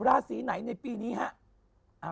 ราศีไหนในปีนี้ฮะ